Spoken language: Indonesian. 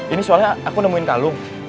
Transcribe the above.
ini soalnya aku nemuin kalung